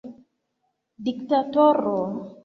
diktatoro